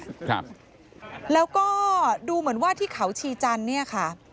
ครับแล้วก็ดูเหมือนว่าที่เขาชีจันทร์เนี่ยค่ะ